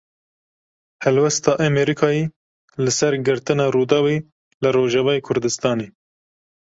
Helwesta Amerîkayê li ser girtina Rûdawê li Rojavayê Kurdistanê.